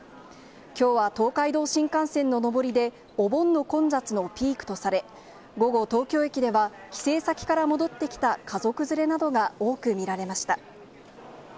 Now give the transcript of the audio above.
きょうは東海道新幹線の上りで、お盆の混雑のピークとされ、午後、東京駅では、帰省先から戻ってきた家族連れなどが多く見られました。